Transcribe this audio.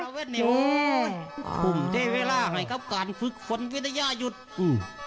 โอ้ยคุณได้เวลาให้ครับการฝึกฝนวิทยาหยุดอื้อ